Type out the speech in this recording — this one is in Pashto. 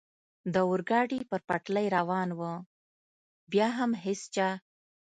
د اورګاډي پر پټلۍ روان و، بیا هم هېڅ چا.